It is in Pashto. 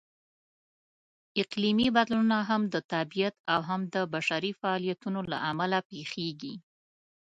اقلیمي بدلونونه هم د طبیعت او هم د بشري فعالیتونو لهامله پېښېږي.